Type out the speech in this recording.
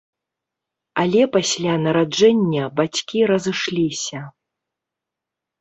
Але пасля нараджэння бацькі разышліся.